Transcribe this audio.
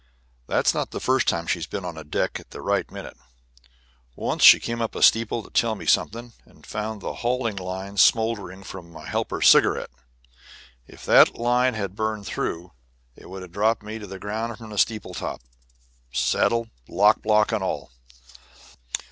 That's not the first time she's been on deck at the right minute. Once she came up a steeple to tell me something, and found the hauling line smoldering from my helper's cigarette. If that line had burned through it would have dropped me to the ground from the steeple top, saddle, lock block, and all.